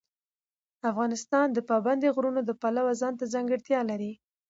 افغانستان د پابندی غرونه د پلوه ځانته ځانګړتیا لري.